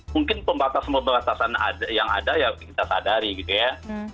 mungkin pembatasan pembatasan yang ada ya kita sadari gitu ya